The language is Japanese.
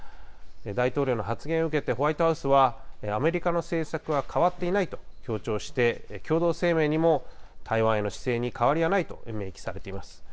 大統領の発言を受けてホワイトハウスは、アメリカの政策は変わっていないと強調して、共同声明にも台湾への姿勢に変わりはないと明記されています。